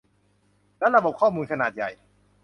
และระบบข้อมูลขนาดใหญ่